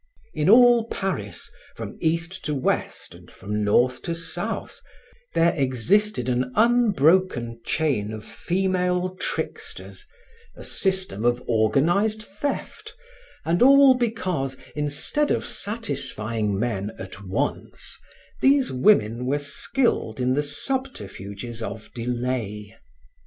In all Paris, from east to west and from north to south, there existed an unbroken chain of female tricksters, a system of organized theft, and all because, instead of satisfying men at once, these women were skilled in the subterfuges of delay.